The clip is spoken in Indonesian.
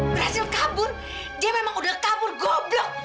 berhasil kabur dia memang udah kabur goblong